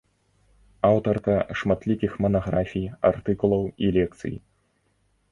Аўтарка шматлікіх манаграфій, артыкулаў і лекцый.